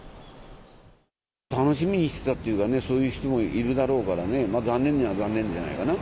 楽しみにしてたっていうかね、そういう人もいるだろうからね、残念には残念じゃないかな。